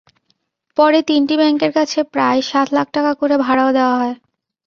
পরে তিনটি ব্যাংকের কাছে প্রায় সাত লাখ টাকা করে ভাড়াও দেওয়া হয়।